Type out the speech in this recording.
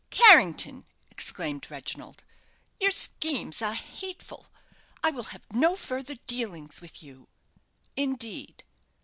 "Carrington!" exclaimed Reginald. "Your schemes are hateful. I will have no further dealings with you." "Indeed!